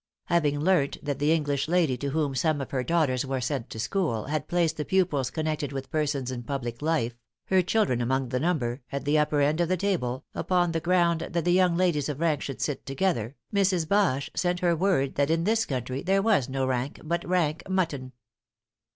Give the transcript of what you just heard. Having learnt that the English lady to whom some of her daughters were sent to school, had placed the pupils connected with persons in public life, (her children among the number), at the upper end of the table, upon the ground that the young ladies of rank should sit together, Mrs. Bache sent her word that in this country there was no rank but rank mutton.